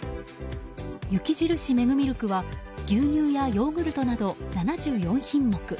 雪印メグミルクは牛乳やヨーグルトなど７４品目。